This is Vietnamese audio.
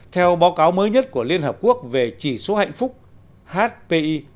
theo báo cáo mới nhất của liên hợp quốc về chỉ số hạnh phúc hpi